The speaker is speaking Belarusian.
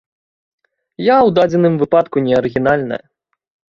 Я ў дадзеным выпадку не арыгінальная.